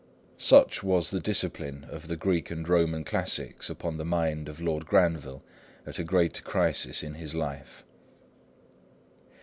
Such was the discipline of the Greek and Roman classics upon the mind of Lord Granville at a great crisis in his life.